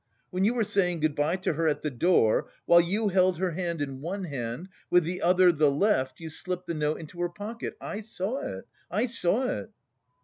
When you were saying good bye to her at the door, while you held her hand in one hand, with the other, the left, you slipped the note into her pocket. I saw it, I saw it!"